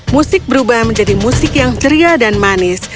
musik berubah menjadi musik yang ceria dan manis